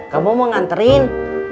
kamu mau nganterin